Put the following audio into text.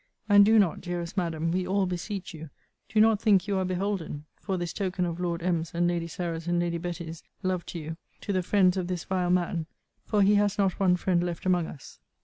And do not, dearest Madam, we all beseech you, do not think you are beholden (for this token of Lord M.'s, and Lady Sarah's, and Lady Betty's, love to you) to the friends of this vile man; for he has not one friend left among us.